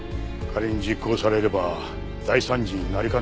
仮に実行されれば大惨事になりかねない。